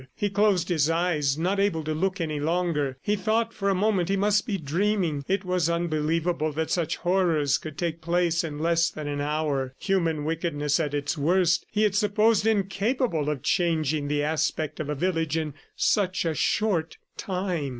He closed his eyes, not able to look any longer. He thought for a moment he must be dreaming. It was unbelievable that such horrors could take place in less than an hour. Human wickedness at its worst he had supposed incapable of changing the aspect of a village in such a short time.